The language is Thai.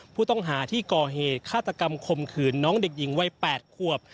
ผู้ต้องหาที่ก่อเหตุฆาตกรรมคมขืนน้องเด็กหญิงวัย๘ขวบ